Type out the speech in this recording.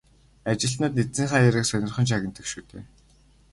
Ажилтнууд эзнийхээ яриаг сонирхон чагнадаг шүү дээ.